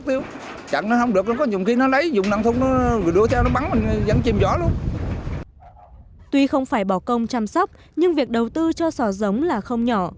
tuy không phải bỏ công chăm sóc nhưng việc đầu tư cho sỏ giống là không nhỏ